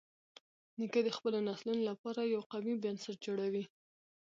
نیکه د خپلو نسلونو لپاره یو قوي بنسټ جوړوي.